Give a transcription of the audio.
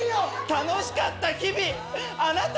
楽しかった日々あなたの名前は。